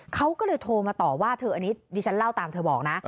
เขาก็เลยโทรมาต่อว่าเธออันนี้ดิฉันเล่าตามเธอบอกนะ